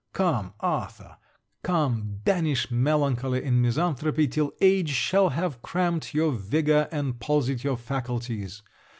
Come, Arthur! come! banish melancholy and misanthropy till age shall have cramped your vigour and palsied your faculties!